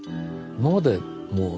今までう